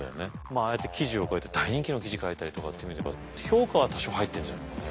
ああやって記事を書いて大人気の記事書いたりとかって見ても評価は多少入ってるんじゃないかな。